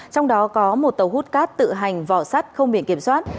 trong đó có một tàu hút cát tự hành vỏ sắt không biển kiểm soát